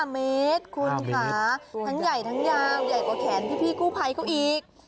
๕เมตรคุณค่ะทั้งใหญ่ทั้งยาวใหญ่กว่าแขนพี่กู้ภัยเขาอีก